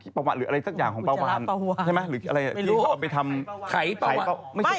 แต่ผมเชื่อว่ามันไม่มี